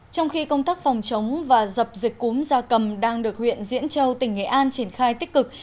trong khi công tác phòng chống và dập dịch cúm da cầm đang được huyện diễn châu tỉnh nghệ an triển khai tích cực